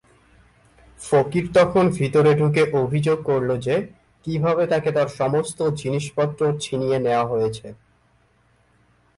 ফকির তখন ভিতরে ঢুকে অভিযোগ করল যে কীভাবে তাকে তার সমস্ত জিনিসপত্র ছিনিয়ে নেওয়া হয়েছে।